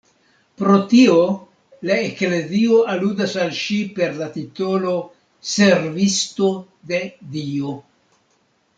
Pro tio, la Eklezio aludas al ŝi per la titolo Servisto de Dio.